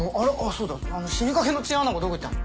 そうだあの死にかけのチンアナゴどこ行ったの？